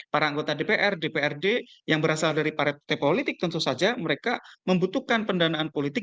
para anggota dpr dprd yang berasal dari partai politik tentu saja mereka membutuhkan pendanaan politik